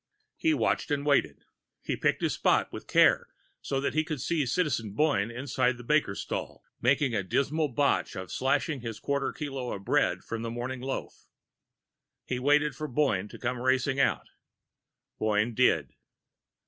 He watched and waited. He picked his spot with care, so that he could see Citizen Boyne inside the baker's stall, making a dismal botch of slashing his quarter kilo of bread from the Morning Loaf. He waited for Boyne to come racing out.... Boyne did.